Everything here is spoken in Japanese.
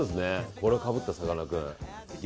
これをかぶった、さかなクン。